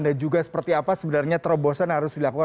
dan juga seperti apa sebenarnya terobosan harus dilakukan